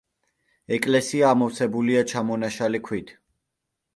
ეკლესია ამოვსებულია ჩამონაშალი ქვით.